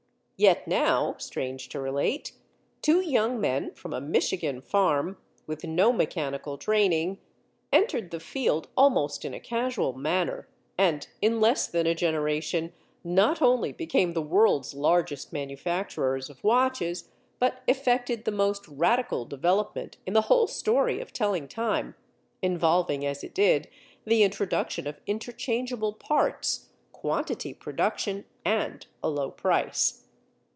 Yet now, strange to relate, two young men from a Michigan farm, with no mechanical training, entered the field almost in a casual manner, and in less than a generation not only became the world's largest manufacturers of watches but effected the most radical development in the whole story of telling time—involving, as it did, the introduction of interchangeable parts, quantity production, and a low price.